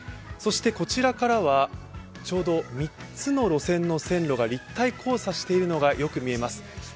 そしてこちらからはちょうど３つの路線の線路が立体交差しているのが見てとれます。